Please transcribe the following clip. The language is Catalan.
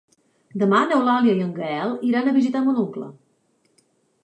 Demà n'Eulàlia i en Gaël iran a visitar mon oncle.